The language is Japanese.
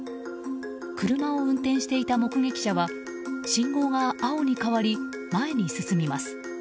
車を運転していた目撃者は信号が青に変わり前に進みます。